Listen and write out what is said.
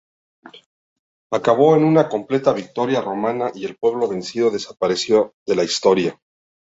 Acabó en una completa victoria romana y el pueblo vencido desapareció de la historia.